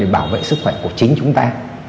bảo vệ sức khỏe của chính chúng ta